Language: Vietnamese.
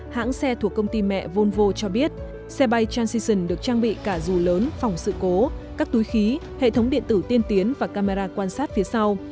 hãng xe thuộc công ty mẹ volvo cho biết xe bay transition được trang bị cả dù lớn phòng sự cố các túi khí hệ thống điện tử tiên tiến và camera quan sát phía sau